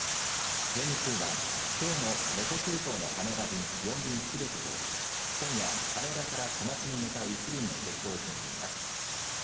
全日空は、きょうの能登空港の羽田便４便すべてと今夜、羽田から小松に向かう１便の欠航を決めています。